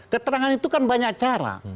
keterangan itu kan banyak cara